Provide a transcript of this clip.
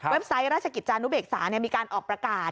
เว็บไซต์ราชกิจจานุเบกษาเนี่ยมีการออกประกาศ